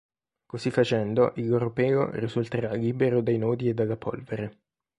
Così facendo il loro pelo risulterà libero dai nodi e dalla polvere.